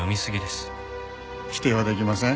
否定はできません。